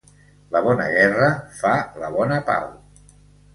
La bona guerra fa la bona pau.